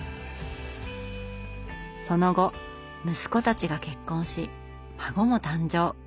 その後息子たちが結婚し孫も誕生。